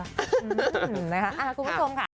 อื้มนะครับคุณผู้ชมค่ะครับ